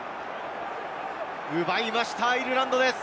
奪いました、アイルランドです！